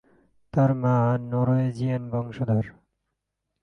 তার মা নরওয়েজিয়ান বংশধর।